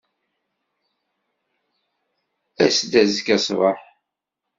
As-d azekka ṣṣbeḥ.